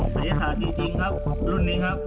สวัสดีครับรุ่นนี้ครับ